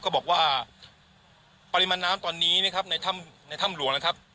ก็บอกว่าปริมาณน้ำตอนนี้นะครับในถ้ำหลวงนะครับ